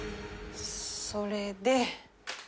それで。